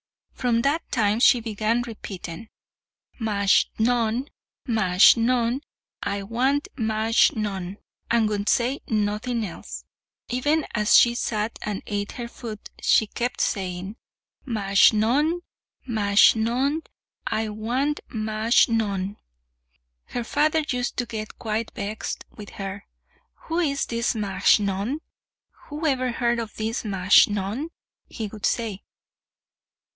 From that time she began repeating, "Majnun, Majnun; I want Majnun," and would say nothing else. Even as she sat and ate her food she kept saying, "Majnun, Majnun; I want Majnun." Her father used to get quite vexed with her. "Who is this Majnun? who ever heard of this Majnun?" he would say.